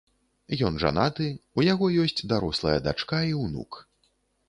Ён жанаты, у яго ёсць дарослая дачка і ўнук.